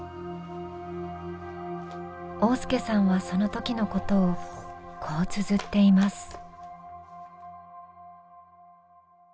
旺亮さんはその時のことをこうつづっています。